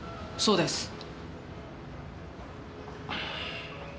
そうです。